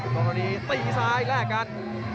กองทรณีตีซ้ายและกัน